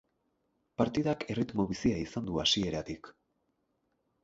Partidak erritmo bizia izan du hasieratik.